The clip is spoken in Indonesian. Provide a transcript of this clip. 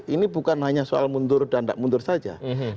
ini bukan hanya soal mundur dan tidak mundur saja